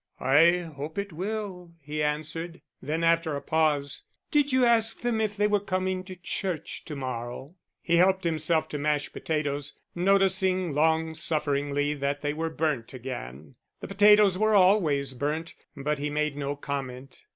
"I hope it will," he answered; then after a pause: "Did you ask them if they were coming to church to morrow?" He helped himself to mashed potatoes, noticing long sufferingly that they were burnt again; the potatoes were always burnt, but he made no comment.